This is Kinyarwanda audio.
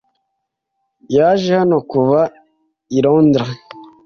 Yaje hano kuva i Londres.